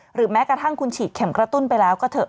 หรือแม้กระทั่งคุณฉีดเข็มกระตุ้นไปแล้วก็เถอะ